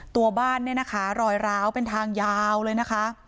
ตัวบ้านเนี่ยนะคะรอยร้าวเป็นทางยาวเลยนะคะ